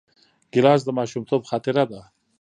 ګیلاس د ماشومتوب خاطره ده.